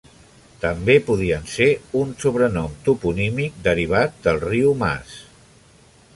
També podien ser un sobrenom toponímic derivat del riu Maas.